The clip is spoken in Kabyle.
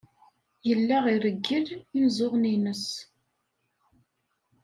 Yella ireggel imeẓẓuɣen-nnes.